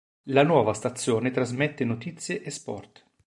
La nuova stazione trasmette notizie e sport.